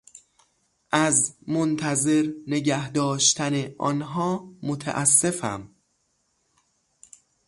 از منتظر نگهداشتن آنها متاسفم.